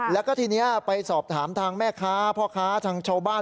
แล้วก็ทีนี้ไปสอบถามทางแม่ค้าพ่อค้าทางชาวบ้าน